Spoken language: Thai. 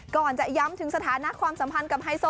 ก่อนจะย้ำถึงสถานะความสัมพันธ์กับไฮโซ